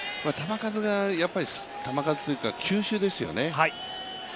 球数というか球種ですよね。